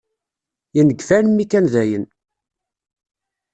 Yengef almi kan dayen.